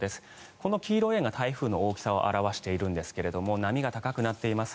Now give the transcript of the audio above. この黄色い円が台風の大きさを表しているんですが波が高くなっています。